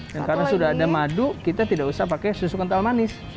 dan karena sudah ada madu kita tidak usah pakai susu kental manis